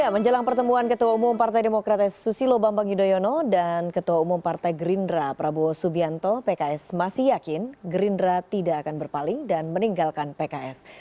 menjelang pertemuan ketua umum partai demokrat susilo bambang yudhoyono dan ketua umum partai gerindra prabowo subianto pks masih yakin gerindra tidak akan berpaling dan meninggalkan pks